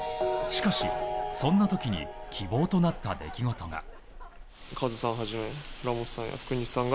しかし、そんな時に希望となった出来事が。